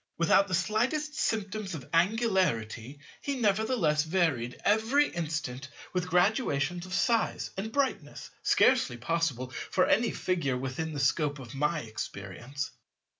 Without the slightest symptoms of angularity he nevertheless varied every instant with graduations of size and brightness scarcely possible for any Figure within the scope of my experience.